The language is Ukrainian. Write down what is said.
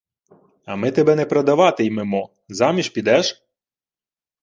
— А ми тебе не продавати-ймемо. Заміж підеш?